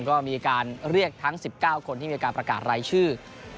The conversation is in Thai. ก็มีการเรียกทั้ง๑๙คนที่มีการประกาศรายชื่อ